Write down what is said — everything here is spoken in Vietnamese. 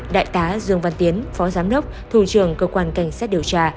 đại tá dương văn tiến phó giám đốc thủ trưởng cơ quan cảnh sát điều tra